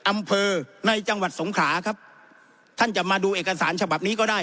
อำเภอในจังหวัดสงขลาครับท่านจะมาดูเอกสารฉบับนี้ก็ได้